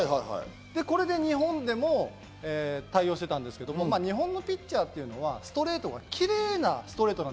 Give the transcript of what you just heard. これで日本で対応していたんですけど、日本のピッチャーはストレートがキレイなストレート。